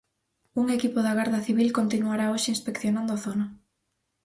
Un equipo da Garda Civil continuará hoxe inspeccionando a zona.